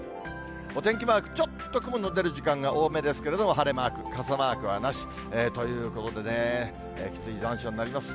お天気マーク、ちょっと雲の出る時間が多めですけれども、晴れマーク、傘マークはなし。ということでね、きつい残暑になります。